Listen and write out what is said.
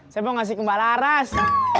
saya mau ngasih kembala aras